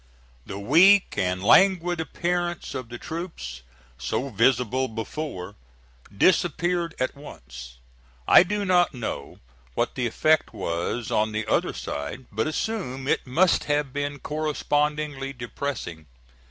The weak and languid appearance of the troops, so visible before, disappeared at once. I do not know what the effect was on the other side, but assume it must have been correspondingly depressing.